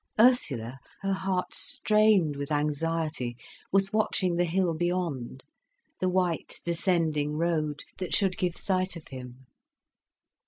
Ursula, her heart strained with anxiety, was watching the hill beyond; the white, descending road, that should give sight of him.